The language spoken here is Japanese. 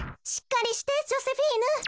しっかりしてジョセフィーヌ。